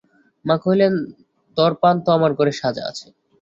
মা কহিলেন, তোর পান তো আমার ঘরে সাজা আছে।